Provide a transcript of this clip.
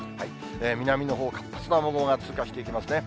南のほう、活発な雨雲が通過していきますね。